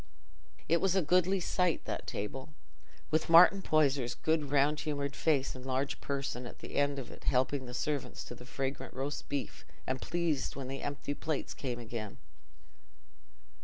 It was a goodly sight—that table, with Martin Poyser's round good humoured face and large person at the head of it helping his servants to the fragrant roast beef and pleased when the empty plates came again.